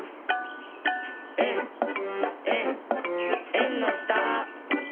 「えんえんえんのした」